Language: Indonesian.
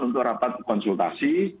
untuk rapat konsultasi